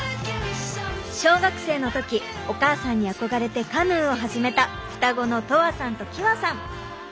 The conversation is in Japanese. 小学生の時お母さんに憧れてカヌーを始めた双子のとわさんときわさん。